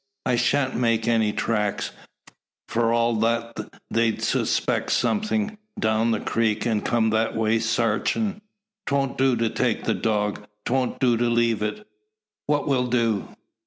I shan't make any tracks; for all that they'd suspect somethin', down the creek, an' come that way sarchin'. 'Twont do take the dog 'twont do to leave it what will do?"